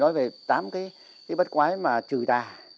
nói về tám cái bắt quái mà trừ tà